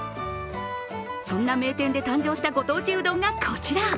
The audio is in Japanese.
そんな名店で誕生したご当地うどんがこちら。